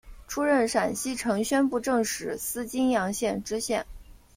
出任陕西承宣布政使司泾阳县知县。